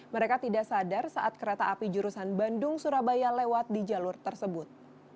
mereka tidak sadar saat kereta api jurusan bandung surabaya lewat di jalur tersebut